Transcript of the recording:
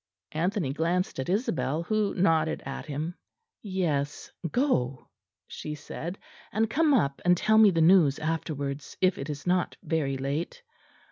Anthony glanced at Isabel, who nodded at him. "Yes; go," she said, "and come up and tell me the news afterwards, if it is not very late."